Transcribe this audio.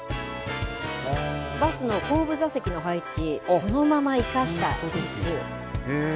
バスの後部座席の配置、そのまま生かしたいす。